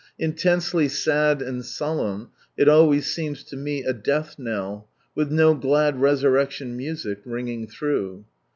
Intensely sad and solemn, it always seems to me, a death knell, with no glad resurrection music, ringing through.